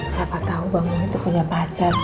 siapa tahu bang muhyidd itu punya pacar